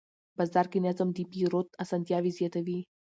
بازار کې نظم د پیرود اسانتیا زیاتوي